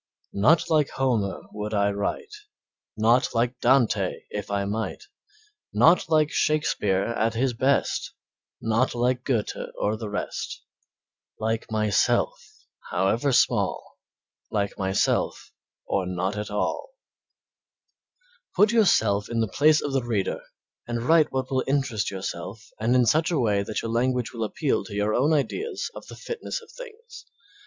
Not like Homer would I write, Not like Dante if I might, Not like Shakespeare at his best, Not like Goethe or the rest, Like myself, however small, Like myself, or not at all. Put yourself in place of the reader and write what will interest yourself and in such a way that your language will appeal to your own ideas of the fitness of things.